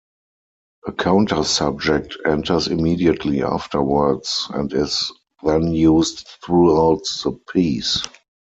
A countersubject enters immediately afterwards and is then used throughout the piece.